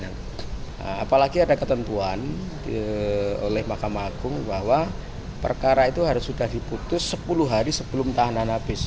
apalagi ada ketentuan oleh mahkamah agung bahwa perkara itu harus sudah diputus sepuluh hari sebelum tahanan habis